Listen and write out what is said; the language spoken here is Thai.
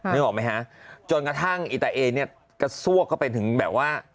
นึกออกไหมฮะจนกระทั่งอิตาเอเนี่ยกระซวกเข้าไปถึงแบบว่า